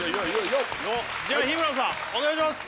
よぉでは日村さんお願いします